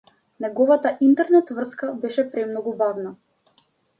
Неговата интернет-врска беше премногу бавна.